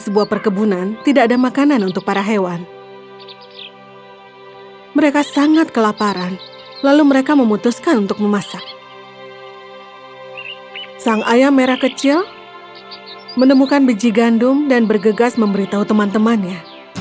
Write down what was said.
babi menanam biji gandum dan bergegas memberitahu teman temannya